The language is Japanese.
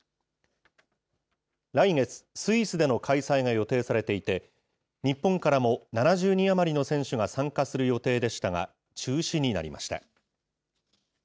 来月、スイスでの開催が予定されていて、日本からも７０人余りの選手が参加する予定でしたが、中止になりました。